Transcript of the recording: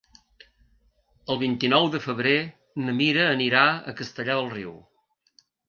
El vint-i-nou de febrer na Mira anirà a Castellar del Riu.